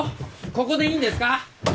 ここでいいんですか？